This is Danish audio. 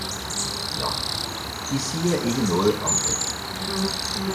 Nå, de siger ikke noget om det